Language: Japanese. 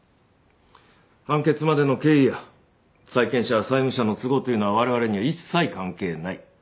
判決までの経緯や債権者債務者の都合というのは我々には一切関係ない。